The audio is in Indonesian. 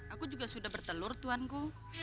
aku juga sudah bertelur tuhan ku